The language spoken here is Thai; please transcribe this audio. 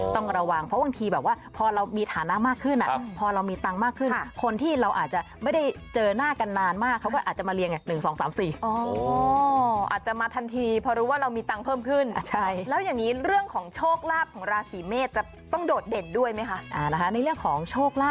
ต้องระวังเพราะบางทีแบบว่าพอเรามีฐานะมากขึ้นอ่ะ